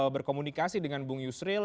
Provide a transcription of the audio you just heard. berkomunikasi dengan bung yusril